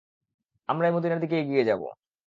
আমরাই মদীনার দিকে এগিয়ে যাব।